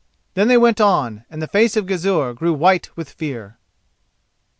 Then they went on, and the face of Gizur grew white with fear.